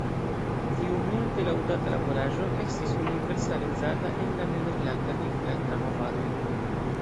Tiu multe laŭdata laboraĵo estis universale uzata en la nederlanda kaj flandra movadoj.